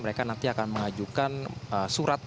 mereka nanti akan mengajukan surat